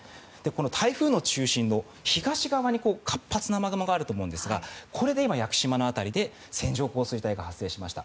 台風の中心の東側に活発な雨雲があると思うんですがこれで今、屋久島の辺りで線状降水帯が発生しました。